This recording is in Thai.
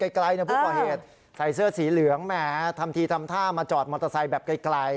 ไกลผู้ก่อเหตุใส่เสื้อสีเหลืองแหมทำทีทำท่ามาจอดมอเตอร์ไซค์แบบไกล